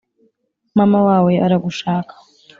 mama wawe aragushaka